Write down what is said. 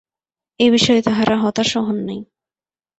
এ-বিষয়ে তাঁহারা হতাশও হন নাই।